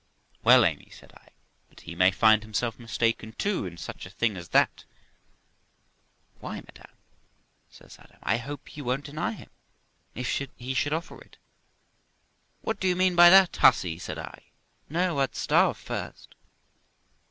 'Well, Amy', said I, 'but he may find himself mistaken too in such a thing as that.' 'Why, madam', says Amy, 'I hope you won't deny him if he should offer it.' 'What d'ye mean by that, hussy?' said I. 'No, I'd starve first.'